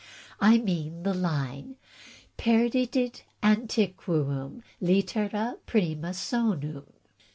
1* mean the line 'Perdidit antiquum Utera prima sonum.'